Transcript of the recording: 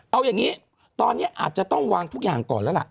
เอาอย่างนี้ตอนนี้อาจจะต้องวางทุกอย่างก่อนแล้วล่ะ